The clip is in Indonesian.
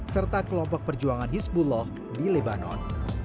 serta kelompok perjuangan hizbullah di lebanon